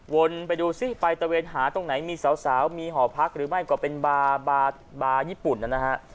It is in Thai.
ไปดูซิไปตะเวนหาตรงไหนมีสาวมีหอพักหรือไม่ก็เป็นบาร์บาร์ญี่ปุ่นนะฮะ